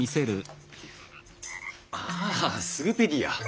ああスグペディア。